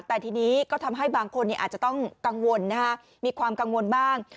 แต่ทีนี้ก็ทำให้บางคนอาจจะต้องกังวลมีความกังวลบ้าง